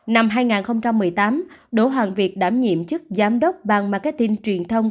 năm hai nghìn một mươi tám đỗ hoàng việt đảm nhiệm chức giám đốc bang marketing truyền thông